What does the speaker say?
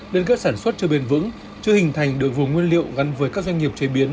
nên các sản xuất chưa bền vững chưa hình thành được vùng nguyên liệu gắn với các doanh nghiệp chế biến